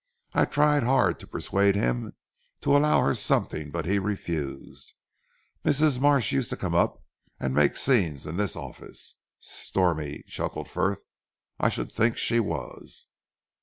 I tried hard to persuade him to allow her something but he refused. Mrs. Marsh used to come up and make scenes in this office. Stormy!" chuckled Frith. "I should think she was."